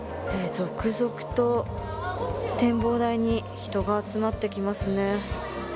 続々と展望台に人が集まってきますね。